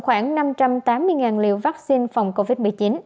khoảng năm trăm tám mươi liều vaccine phòng covid một mươi chín